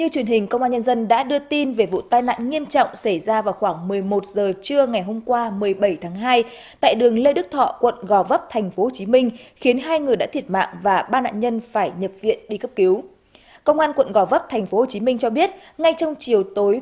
các bạn hãy đăng ký kênh để ủng hộ kênh của chúng mình nhé